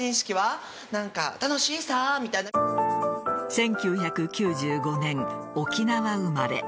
１９９５年、沖縄生まれ。